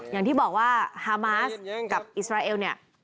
อย่างที่บอกว่าฮามาสกับอิสราเอลเนี่ย